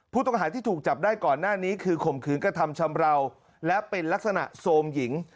ผู้ต้องหาที่ถูกจับได้ก่อนหน้านี้คือข่มขืนกระทำชำราวและเป็นลักษณะโซมหญิง